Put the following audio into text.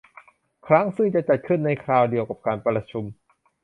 ครั้งซึ่งจะจัดขึ้นในคราวเดียวกับการประชุม